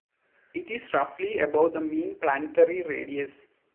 It is roughly above the mean planetary radius.